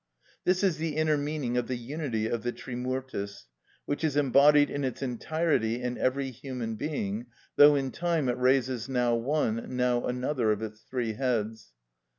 This is the inner meaning of the unity of the Trimurtis, which is embodied in its entirety in every human being, though in time it raises now one, now another, of its three heads.